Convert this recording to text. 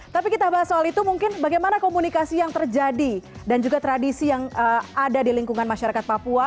tapi kita bahas soal itu mungkin bagaimana komunikasi yang terjadi dan juga tradisi yang ada di lingkungan masyarakat papua